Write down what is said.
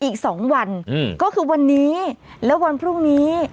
อีก๒วันก็คือวันนี้และวันพรุ่งนี้